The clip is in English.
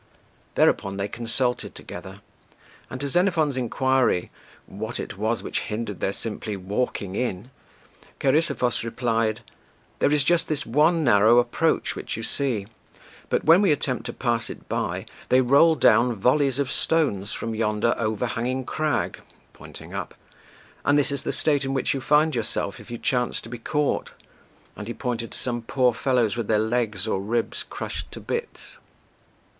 Thereupon they consulted together, and to Xenophon's inquiry, "What it was which hindered their simply walking in?" Cheirisophus replied, "There is just this one narrow approach which you see, but when we attempt to pass it by they roll down volleys of stones from yonder overhanging crag," pointing up, "and this is the state in which you find yourself, if you chance to be caught;" and he pointed to some poor fellows with their legs or ribs crushed to bits.